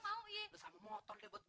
iya bang mau iya sama motor deh buat gue